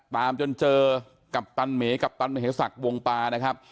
ตามจนเจอกัปตันเมกัปตันมเหศักดิ์วงปานะครับ